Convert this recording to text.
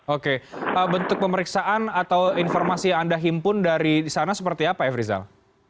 oke bentuk pemeriksaan atau informasi yang anda himpun dari sana seperti apa f rizal